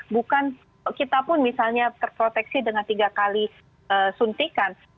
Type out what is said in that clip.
bukan kita pun misalnya terproteksi dengan tiga kali suntikan